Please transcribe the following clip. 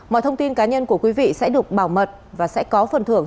mọi thông tin cá nhân của quý vị sẽ được bảo mật và sẽ có phần thưởng